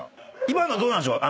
今のどうでしょう？